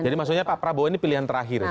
jadi maksudnya pak prabowo ini pilihan terakhir